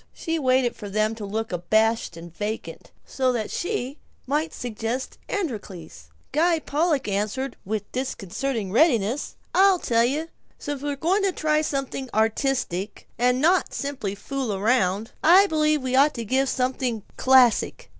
She waited for them to look abashed and vacant, so that she might suggest "Androcles." Guy Pollock answered with disconcerting readiness, "I'll tell you: since we're going to try to do something artistic, and not simply fool around, I believe we ought to give something classic.